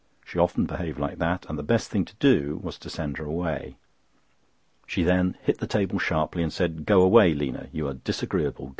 She often behaved like that, and the best thing to do was to send her away. She then hit the table sharply, and said: "Go away, Lina; you are disagreeable.